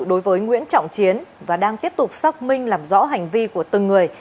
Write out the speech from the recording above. đối với nguyễn trọng chiến và đang tiếp tục xác minh làm rõ hành vi của từng người